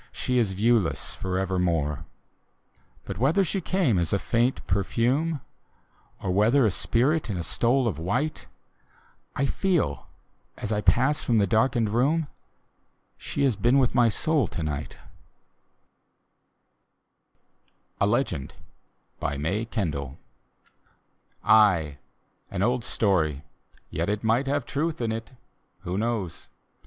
She is viewless forevermore. But whether she came as a faint perfume. Or whether a spirit in stole of white, I feel, as I pass from the darkened room, She has been with my soul to night A LEGEND : may kendall Ay, an old story, yet it might Have truth in it — who knows?